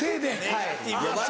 はい。